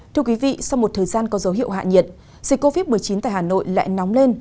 thưa quý vị sau một thời gian có dấu hiệu hạ nhiệt dịch covid một mươi chín tại hà nội lại nóng lên